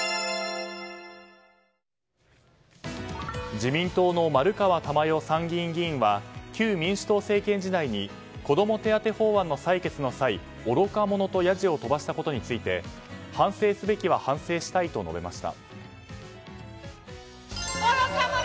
自民党の丸川珠代参議院議員は旧民主党政権時代に子ども手当法案の採決の際愚か者とやじを飛ばしたことについて反省すべきは反省したいと述べました。